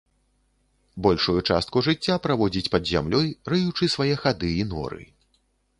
Большую частку жыцця праводзіць пад зямлёй, рыючы свае хады і норы.